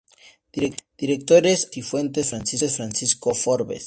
Directores: Álvaro Cifuentes, Francisco Forbes.